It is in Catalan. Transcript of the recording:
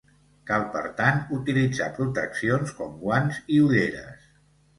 Cal, per tant, utilitzar proteccions com guants i ulleres.